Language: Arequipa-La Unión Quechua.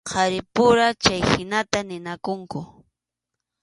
Qharipura chayhinata ninakunku.